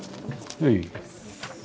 はい。